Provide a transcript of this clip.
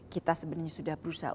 kita sebenarnya sudah berusaha